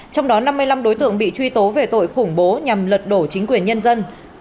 trong đó năm mươi năm đối tượng bị truy tố về tội khủng bố nhằm lật đổ chính quyền nhân dân